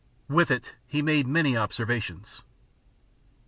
With it he made many observations.